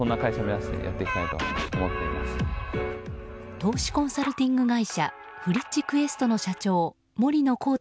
投資コンサルティング会社フリッチクエストの社長森野広太